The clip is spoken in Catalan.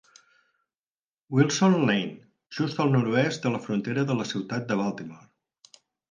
Wilson Lane, just al nord-oest de la frontera de la ciutat de Baltimore.